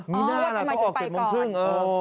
มีหน้านะเขาออก๗โมงครึ่ง